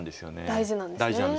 大事なんですね。